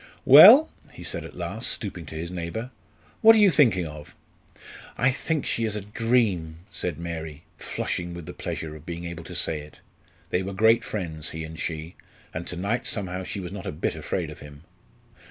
"Well," he said at last, stooping to his neighbour, "what are you thinking of?" "I think she is a dream!" said Mary, flushing with the pleasure of being able to say it. They were great friends, he and she, and to night somehow she was not a bit afraid of him.